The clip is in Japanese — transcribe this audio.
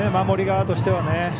守り側としては。